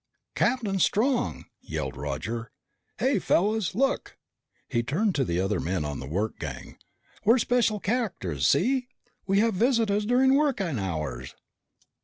"Captain Strong!" yelled Roger. "Hey, fellas! Look!" He turned to the other men on the work gang. "We're special characters! See? We have visitors during working hours!"